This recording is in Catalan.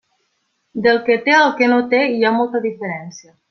Del que té al que no té hi ha molta diferència.